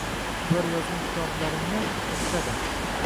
Bular yozgan kitoblaringni o‘qishadi.